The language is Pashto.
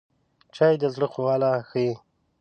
چای د زړه خواله ښيي